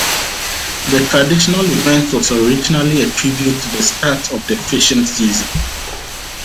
The traditional event was originally a tribute to the start of the fishing season.